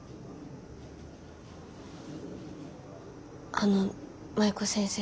あの麻衣子先生。